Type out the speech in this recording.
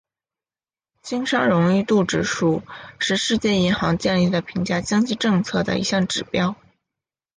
经商容易度指数是世界银行建立的评价经济政策的一项指标。